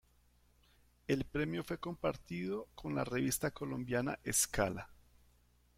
El premio fue compartido con la revista colombiana Escala.